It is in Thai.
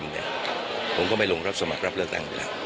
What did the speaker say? ผมก็ไม่ลงรับสมัครรับเลือกตั้งอยู่แล้ว